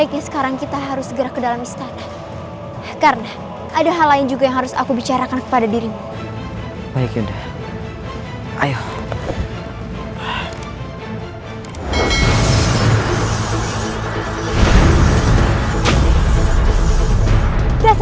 terimalah kematian bersama dendamku pada seluruh waktu